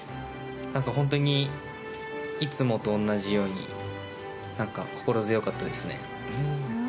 本当に、いつもと同じように心強かったですね。